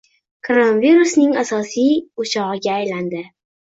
koronavirusning asosiy o'chog'iga aylandi